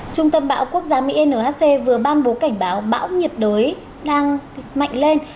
trung tâm bão quốc gia mỹ nhc vừa ban bố cảnh báo bão nhiệt đới đang mạnh lên